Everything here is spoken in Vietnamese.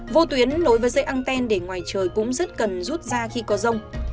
vô tuyến nối với dây anten để ngoài trời cũng rất cần rút ra khi có rông